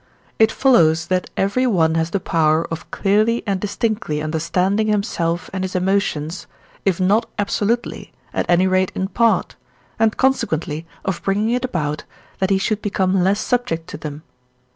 it follows that everyone has the power of clearly and distinctly understanding himself and his emotions, if not absolutely, at any rate in part, and consequently of bringing it about, that he should become less subject to them.